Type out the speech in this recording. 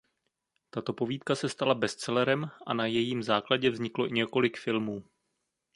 Tato povídka se stala bestsellerem a na jejím základě vzniklo i několik filmů.